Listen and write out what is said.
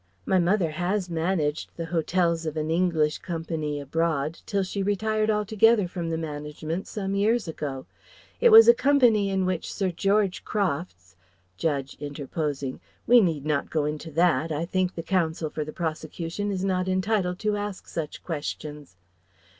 My mother has managed the hotels of an English Company abroad till she retired altogether from the management some years ago. It was a Company in which Sir George Crofts " Judge, interposing: "We need not go into that I think the Counsel for the prosecution is not entitled to ask such questions."